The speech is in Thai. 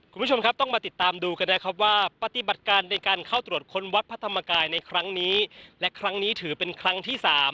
คุณผู้ชมครับต้องมาติดตามดูกันนะครับว่าปฏิบัติการในการเข้าตรวจค้นวัดพระธรรมกายในครั้งนี้และครั้งนี้ถือเป็นครั้งที่๓